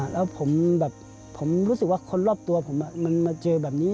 แล้วผมแบบผมรู้สึกว่าคนรอบตัวผมมันมาเจอแบบนี้